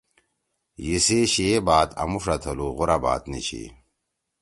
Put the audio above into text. یسی شیے بات آمُوݜا تھلُو غورا بات نی چھی۔